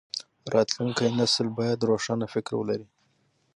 راتلونکی نسل بايد روښانه فکر ولري.